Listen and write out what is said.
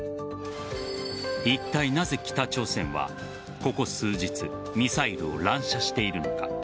いったいなぜ北朝鮮はここ数日ミサイルを乱射しているのか。